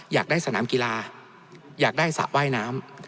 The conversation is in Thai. อยากได้สนามกีฬาอยากได้สระว่ายน้ำ